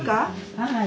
はい。